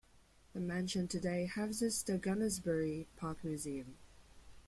The mansion today houses the Gunnersbury Park Museum.